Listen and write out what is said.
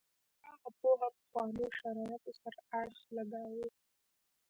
هماغه پوهه پخوانو شرایطو سره اړخ لګاوه.